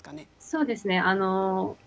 そうですね。